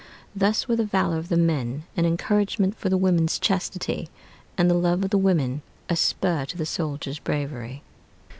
Thus was the valor of the men an encouragement for the women's chastity, and the love of the women a spur to the soldiers' bravery.